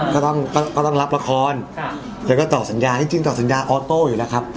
ก็ต่อฝั่งละอย่างนี้ทั้ง๕๗แล้วก็๕๖